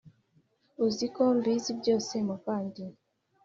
uziko mbizi byose muvandi